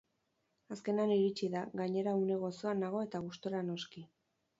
Azkenean iritsi da, gainera une gozoan nago eta gustora noski.